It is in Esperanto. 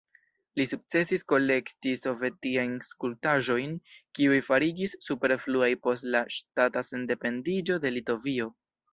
Li sukcesis kolekti sovetiajn skulptaĵojn, kiuj fariĝis superfluaj post la ŝtata sendependiĝo de Litovio.